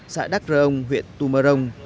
xã đắc rồng huyện tumarong